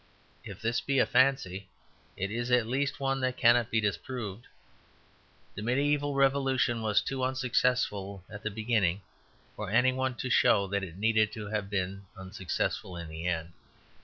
If this be a fancy, it is at least one that cannot be disproved; the mediæval revolution was too unsuccessful at the beginning for any one to show that it need have been unsuccessful in the end.